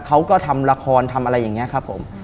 เขาก็ทำละครทำอะไรอย่างนี้ครับผม